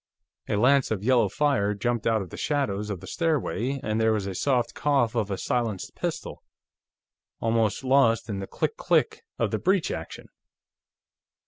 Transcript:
A lance of yellow fire jumped out of the shadows of the stairway, and there was a soft cough of a silenced pistol, almost lost in the click click of the breech action.